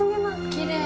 きれい！